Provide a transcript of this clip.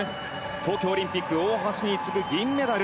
東京オリンピック大橋に次ぐ銀メダル。